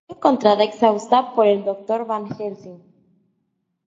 Es encontrada, exhausta, por el doctor Van Helsing.